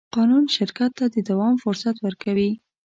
قانون شرکت ته د دوام فرصت ورکوي.